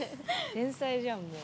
天才じゃんもう。